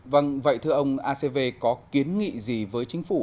vâng vậy thưa ông acv có kiến nghị gì với chính phủ